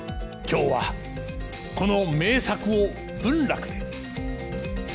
今日はこの名作を文楽で！